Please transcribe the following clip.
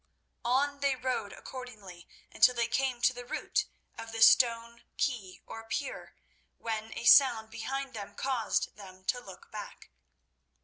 On they rode accordingly, until they came to the root of the stone quay or pier, when a sound behind them caused them to look back.